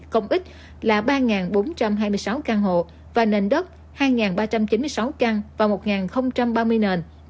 công ích là ba bốn trăm hai mươi sáu căn hộ và nền đất hai ba trăm chín mươi sáu căn và một ba mươi nền